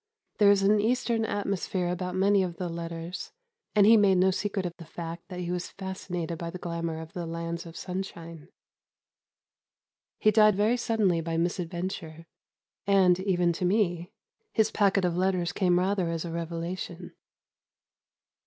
There is an Eastern atmosphere about many of the letters, and he made no secret of the fact that he was fascinated by the glamour of the lands of sunshine. He died very suddenly by misadventure, and, even to me, his packet of letters came rather as a revelation.